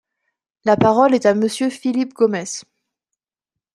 La parole est à Monsieur Philippe Gomes.